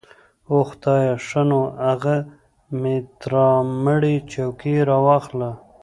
اوح خدايه ښه نو اغه ميراتمړې چوکۍ راواخله.